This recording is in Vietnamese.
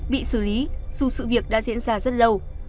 bị xử lý dù sự việc đã diễn ra rất lâu